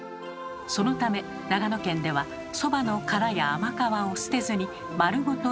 そのため長野県ではそばの殻や甘皮を捨てずに丸ごとひいたのです。